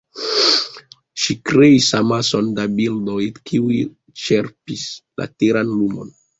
Ŝi kreis amason da bildoj, kiuj ĉerpis la teran lumon.